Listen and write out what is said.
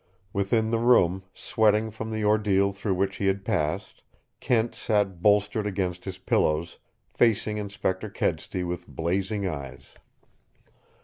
Within the room, sweating from the ordeal through which he had passed, Kent sat bolstered against his pillows, facing Inspector Kedsty with blazing eyes.